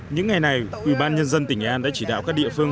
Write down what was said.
những ngày này ủy ban nhân dân tỉnh nghệ an đã chỉ đạo các địa phương